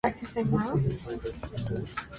Suddenly he clenched his fist, and crouched.